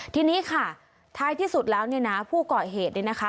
ทีนี้ค่ะท้ายที่สุดแล้วเนี่ยนะผู้ก่อเหตุเนี่ยนะคะ